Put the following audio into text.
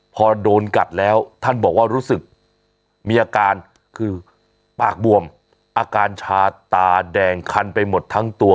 พอโดนกัดแล้วท่านบอกว่ารู้สึกมีอาการคือปากบวมอาการชาตาแดงคันไปหมดทั้งตัว